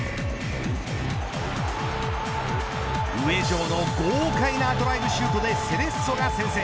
上門の豪快なドライブシュートでセレッソが先制。